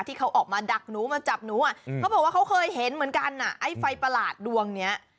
ที่เขาออกมาดักหนูมาจับหนูอ่ะเขาบอกว่าเขาเคยเห็นเหมือนกันอ่ะไอ้ไฟประหลาดดวงเนี้ย